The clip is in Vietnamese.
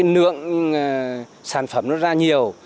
nượng sản phẩm ra nhiều